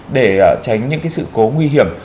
để tránh những sự cố nguy hiểm